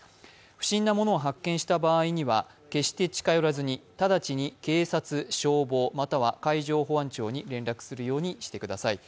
不審なものを発見した場合には決して近寄らずに直ちに警察、消防、または海上保安庁に連絡するようにしてください。